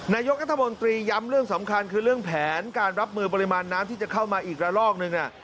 นายกัธมนตรีย้ำเรื่องสำคัญคือเรื่องแผนการรับมือปริมาณน้ำที่จะเข้ามาอีกระลอกนึง